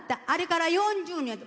あれから４０年。